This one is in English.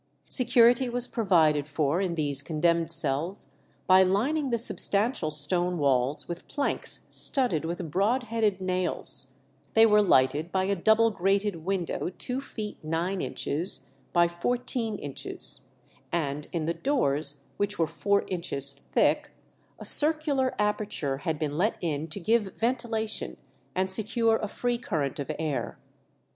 Security was provided for in these condemned cells by lining the substantial stone walls with planks studded with broad headed nails; they were lighted by a double grated window two feet nine inches by fourteen inches; and in the doors, which were four inches thick, a circular aperture had been let in to give ventilation and secure a free current of air.